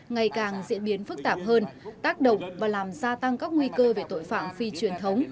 ngày càng diễn biến phức tạp hơn tác động và làm gia tăng các nguy cơ về tội phạm phi truyền thống